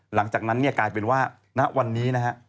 หลังจากนั้นเนี่ยกลายเป็นว่าณวันนี้นะฮะ